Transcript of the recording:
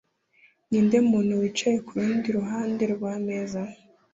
Ninde muntu wicaye kurundi ruhande rwameza?